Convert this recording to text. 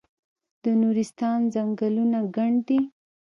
د نورستان ځنګلونه ګڼ دي